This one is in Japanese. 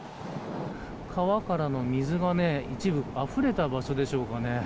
川からの水が一部あふれた場所でしょうか。